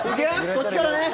こっちからね。